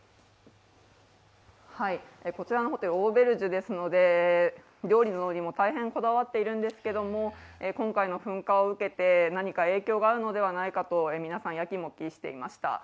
こちらのホテル、オーベルジュですので料理などにも大変こだわっているんですけれども、今回の噴火を受けて、何か影響があるのではないかと皆さん、やきもきしていました。